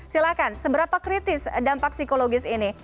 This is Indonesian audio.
silakan seberapa kritis dampak psikologis ini